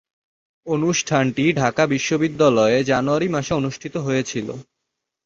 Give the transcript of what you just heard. অনুষ্ঠানটি ঢাকা বিশ্ববিদ্যালয়ে জানুয়ারি মাসে অনুষ্ঠিত হয়েছিলো।